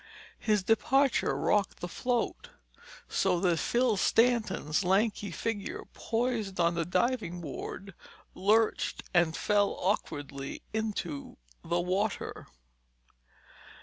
His departure rocked the float, so that Phil Stanton's lanky figure poised on the diving board, lurched and fell awkwardly into the water.